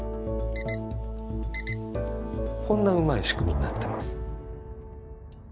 こんなうまい仕組みになってます。